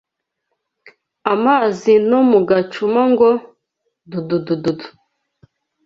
Amazi no mu gacuma ngo:Dudududu!»